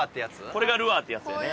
これがルアーってやつやね。